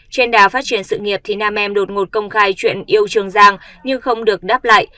trên đà phát triển sự nghiệp thì nam em đột ngột công khai chuyện yêu trường giang nhưng không được đáp lại